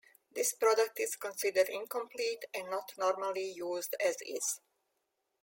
This product is considered incomplete and not normally used as is.